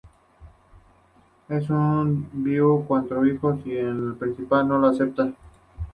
Él es viudo, con cuatro hijos que en un principio no la aceptan.